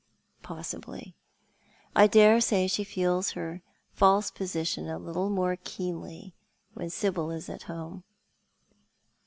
" Possibly. I dare say she feels her false position a little more keenly when Sibyl is at home."